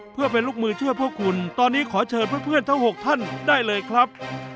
เพื่อเป็นลูกมือช่วยพวกคุณตอนนี้ขอเชิญเพื่อนทั้ง๖ท่านได้เลยครับ